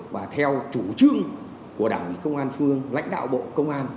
và theo chủ trương của đảng ủy công an phương lãnh đạo bộ công an